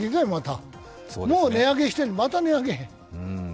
もう値上げしてる、また値上げ。